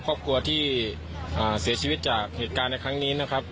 ครอบครัวที่เสียชีวิตจากเหตุการณ์ในครั้งนี้นะครับ